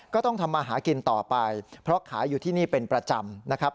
ก็ต้องทำมาหากินต่อไปเพราะขายอยู่ที่นี่เป็นประจำนะครับ